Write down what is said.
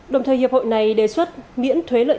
đồng thời hiệp hội này đề xuất miễn thuế lợi